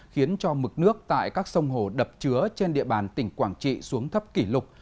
khiến cho mực nước tại các sông hồ đập chứa trên địa bàn tỉnh quảng trị xuống thấp kỷ lục